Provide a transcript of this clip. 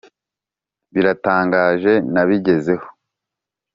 biratangaje nabigezeho.